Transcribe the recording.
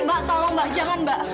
mbak tolong mbak jangan mbak